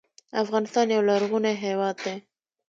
افغانستان یو لرغونی هیواد دی